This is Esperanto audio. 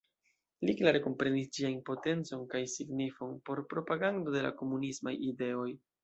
Li klare komprenis ĝiajn potencon kaj signifon por propagando de la komunismaj ideoj.